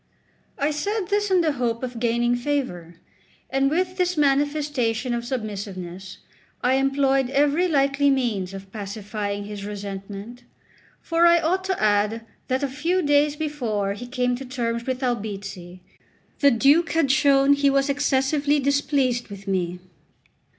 I said this in the hope of gaining favour; and with this manifestation of submissiveness I employed every likely means of pacifying his resentment; for I ought to add that a few days before he came to terms with Albizzi, the Duke had shown he was excessively displeased with me.